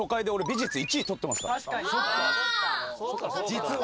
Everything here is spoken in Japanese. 実は。